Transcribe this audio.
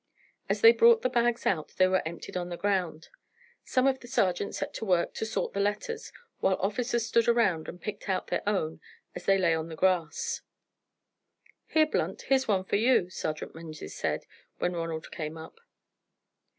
As they brought the bags out they were emptied on the ground. Some of the sergeants set to work to sort the letters, while the officers stood round and picked out their own as they lay on the grass. "Here, Blunt, here's one for you," Sergeant Menzies said, when Ronald came up.